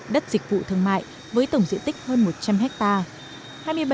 đất dịch vụ thương mại với tổng diện tích hơn một trăm linh hectare